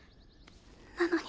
なのに。